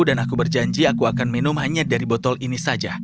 dan aku berjanji aku akan minum hanya dari botol ini saja